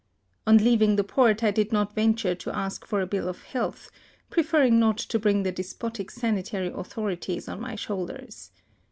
On leaving the port I did not venture to ask for a bill of health, preferring not to bring the despotic sanitary authorities on my shoulders.